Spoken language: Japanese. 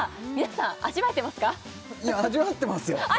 いや味わってますよ